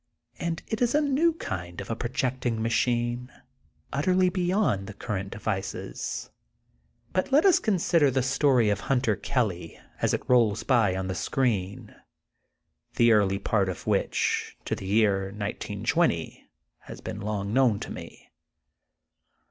And it is a new kind of a projecting machine, utterly beyond the current devices. But let us con sider the story of Hunter Kelly, as it rolls by on the screen, the early part of which, to the year 1920, has been long known to me.